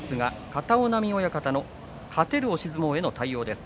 片男波親方の勝てる押し相撲への対応です。